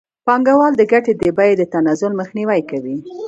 پانګوال د ګټې د بیې د تنزل مخنیوی کوي